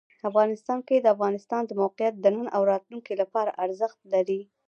افغانستان کې د افغانستان د موقعیت د نن او راتلونکي لپاره ارزښت لري.